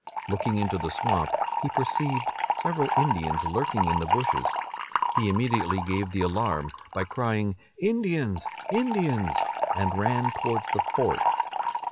Looking into the swamp, he perceived several Indians lurking in the bushes. He immediately gave the alarm, by crying, "Indians! Indians!" and ran towards the fort.